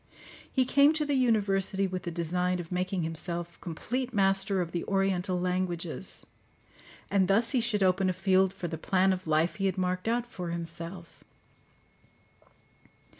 He came to the university with the design of making himself complete master of the oriental languages, and thus he should open a field for the plan of life he had marked out for himself.